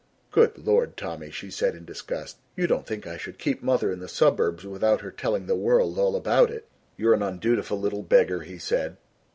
"Good lord, Tommy!" she said in disgust, "you don't think I should keep mother in the suburbs without her telling the world all about it!" "You're an undutiful little beggar," he said.